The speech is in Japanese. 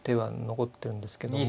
残ってるんですけれども。